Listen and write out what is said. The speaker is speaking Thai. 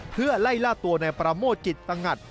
เพื่อไล่ล่าตัวนายปราโมทจิตตงัด